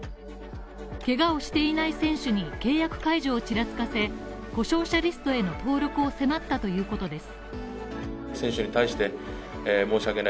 けがをしていない選手に契約解除をちらつかせ故障者リストへの登録を迫ったということです